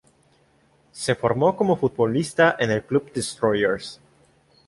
Se formó como futbolista en el club Destroyers.